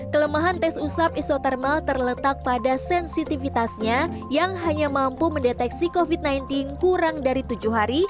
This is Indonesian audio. kelemahan tes usap isotermal terletak pada sensitivitasnya yang hanya mampu mendeteksi covid sembilan belas kurang dari tujuh hari